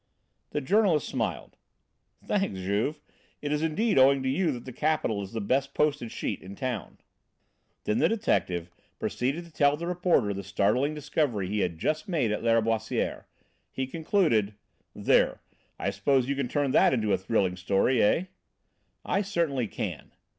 The journalist smiled. "Thanks, Juve. It is, indeed, owing to you that the Capital is the best posted sheet in town." Then the detective proceeded to tell the reporter the startling discovery he had just made at Lâriboisière. He concluded: "There, I suppose you can turn that into a thrilling story, eh?" "I certainly can."